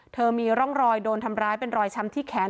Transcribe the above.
มีร่องรอยโดนทำร้ายเป็นรอยช้ำที่แขน